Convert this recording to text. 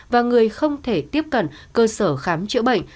và người không thể tiếp cận cơ sở khám chữa bệnh